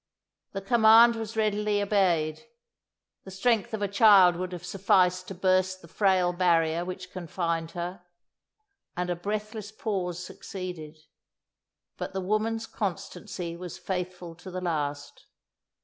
The command was readily obeyed; the strength of a child would have sufficed to burst the frail barrier which confined her, and a breathless pause succeeded; but the woman's constancy was faithful to the last.